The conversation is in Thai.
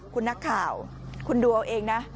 คุณนักข่าวคุณดูเอาเองนะ